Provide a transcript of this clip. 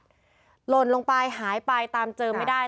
หล่นลงไปหายไปตามเจอไม่ได้